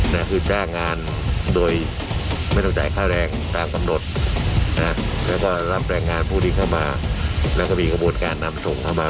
นะคือจ้างงานโดยไม่ต้องจ่ายค่าแรงตามกำหนดนะแล้วก็รับแรงงานผู้ที่เข้ามาแล้วก็มีกระบวนการนำส่งเข้ามา